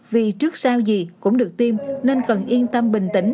vì trước sao gì cũng được tiêm nên cần yên tâm bình tĩnh